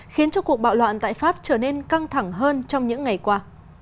khiến cho cuộc bạo loạn tại pháp trở nên căng thẳng hơn trong những ngày qua